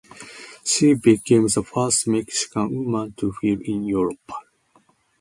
She became the first Mexican woman to film in Europe.